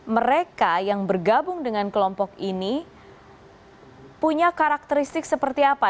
mereka yang bergabung dengan kelompok ini punya karakteristik seperti apa